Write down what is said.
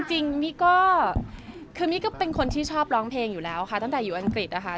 จริงมี่ก็คือมี่ก็เป็นคนที่ชอบร้องเพลงอยู่แล้วค่ะตั้งแต่อยู่อังกฤษนะคะ